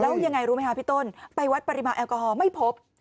แล้วยังไงรู้ไหมคะพี่ต้นไปวัดปริมาณแอลกอฮอล์ไม่พบ